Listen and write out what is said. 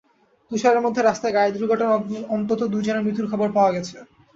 তুষারের মধ্যে রাস্তায় গাড়ি দুর্ঘটনায় অন্তত দুজনের মৃত্যুর খবর পাওয়া গেছে।